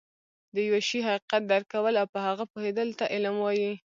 د يوه شي حقيقت درک کول او په هغه پوهيدلو ته علم وایي